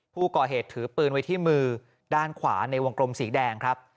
ผู้ก่อเหตุถือปืนไว้ที่มือด้านขวาในวงกลมสีแดงครับ